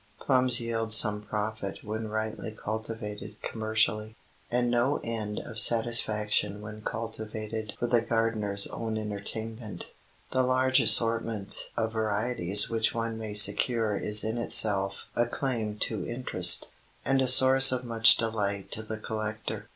Plums yield some profit when rightly cultivated commercially, and no end of satisfaction when cultivated for the gardener's own entertainment. The large assortment of varieties which one may secure is in itself a claim to interest, and a source of much delight to the collector.